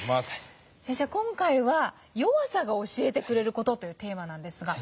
今回は「弱さが教えてくれること」というテーマなんですが。